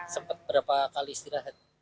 sempat berapa kali istirahat